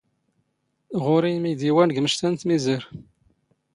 ⵖⵓⵔⵉ ⵉⵎⵉⴷⵉⵡⴰⵏ ⴳ ⵎⵛⵜⴰ ⵏ ⵜⵎⵉⵣⴰⵔ.